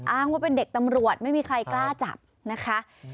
อ้างว่าเป็นเด็กตำรวจไม่มีใครกล้าจับนะคะ